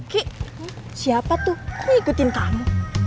ki siapa tuh ngikutin kamu